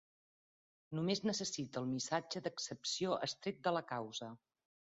Només necessita el missatge d'excepció extret de la "causa".